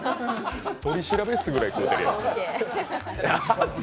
取調室ぐらい食べてるやん。